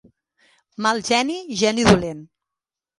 Mal geni, geni dolent.